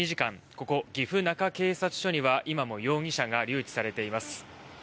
ここ、岐阜中警察署には今も容疑者が留置されています。